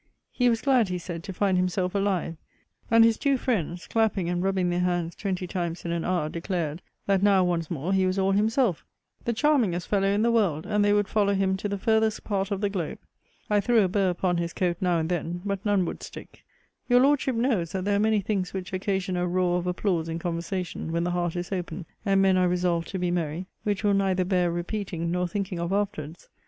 He was glad, he said, to find himself alive; and his two friends, clapping and rubbing their hands twenty times in an hour, declared, that now, once more, he was all himself the charming'st fellow in the world; and they would follow him to the farthest part of the globe. I threw a bur upon his coat now and then; but none would stick. Your Lordship knows, that there are many things which occasion a roar of applause in conversation, when the heart is open, and men are resolved to be merry, which will neither bear repeating, nor thinking of afterwards.